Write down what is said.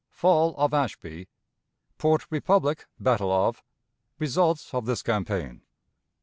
Fall of Ashby. Port Republic, Battle of. Results of this Campaign.